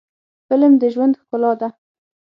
فلم د ژوند ښکلا ده